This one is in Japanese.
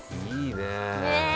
いいねえ。